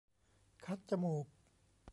คัดจมูก